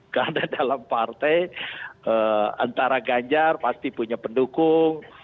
karena dalam partai antara ganjar pasti punya pendukung